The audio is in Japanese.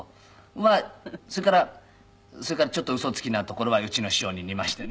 まあそれからちょっとウソつきなところはうちの師匠に似ましてね。